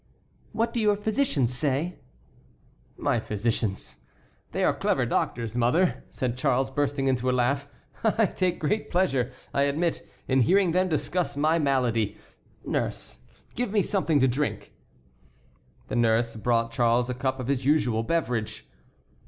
"What do your physicians say?" "My physicians? They are clever doctors, mother," said Charles, bursting into a laugh. "I take great pleasure, I admit, in hearing them discuss my malady. Nurse, give me something to drink." The nurse brought Charles a cup of his usual beverage.